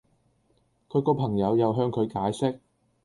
佢個朋友又向佢解釋